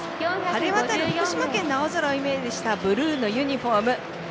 晴れ渡る福島県の青空をイメージしたブルーのユニフォーム。